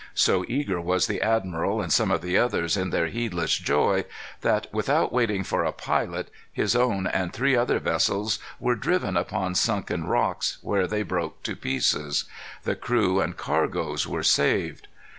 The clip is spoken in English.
So eager was the admiral and some of the others in their heedless joy, that, without waiting for a pilot, his own and three other vessels were driven upon sunken rocks, where they broke to pieces. The crew and cargoes were saved.